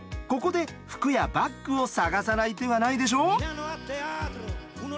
ここで服やバッグを探さない手はないでしょう！